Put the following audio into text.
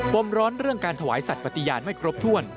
มร้อนเรื่องการถวายสัตว์ปฏิญาณไม่ครบถ้วน